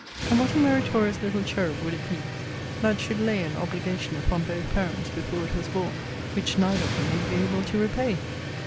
And what a meritorious little cherub would it be, that should lay an obligation upon both parents before it was born, which neither of them would be able to repay!